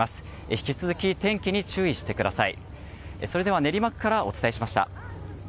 引き続き天気に注意してください。